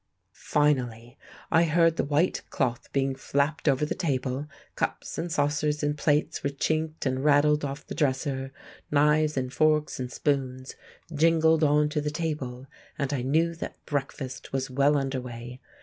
Finally, I heard the white cloth being flapped over the table; cups and saucers and plates were chinked and rattled off the dresser; knives and forks and spoons jingled on to the table, and I knew that breakfast was well under way.